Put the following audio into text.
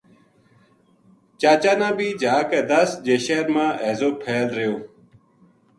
چاچا نا بھی جا کے دس جے شہر ما ہیضو پھیل رہیو